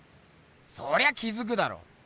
そりゃ気づくだろ！